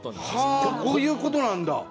こういうことなんだ。